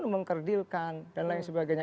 mengkerdilkan dan lain sebagainya